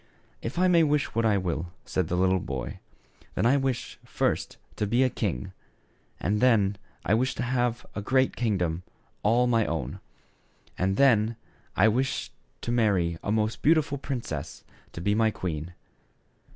"If I may wish what I will," said the boy, " then I wish, first, to be a king ; and then, I wish to have a great kingdom, all my own ; and then, I wish to marry a most beautiful princess to be my queen."